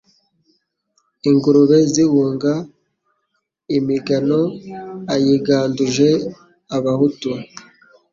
Ingurube zihunga imiganoayiganduje abahutu